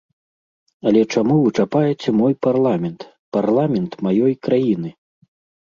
Але чаму вы чапаеце мой парламент, парламент маёй краіны?